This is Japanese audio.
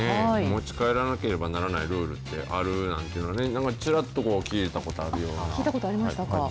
持ち帰らなければならないルールってあるなんていうのね、なんか聞いたことありましたか。